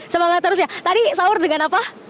semangat terus ya tadi sahur dengan apa